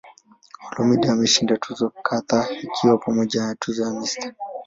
Olumide ameshinda tuzo kadhaa ikiwa ni pamoja na tuzo ya "Mr.